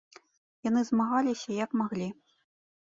Яны змагаліся як маглі!